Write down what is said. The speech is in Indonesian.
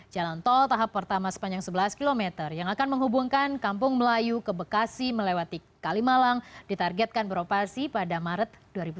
jalan tol tahap pertama sepanjang sebelas km yang akan menghubungkan kampung melayu ke bekasi melewati kalimalang ditargetkan beroperasi pada maret dua ribu delapan belas